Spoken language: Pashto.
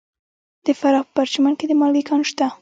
د فراه په پرچمن کې د مالګې کان شته.